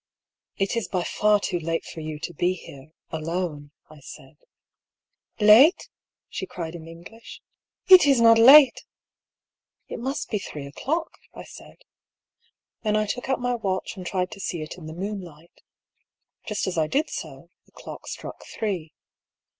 " It is by far too late for you to be here — alone," I said. « Late ?" she cried, in English. " It is not late !"" It must be three o'clock," I said. Then I took out my watch and tried to see it in the moonlight. Just as I did so, a clock struck three.